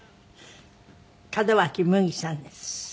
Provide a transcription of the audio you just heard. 門脇麦さんです。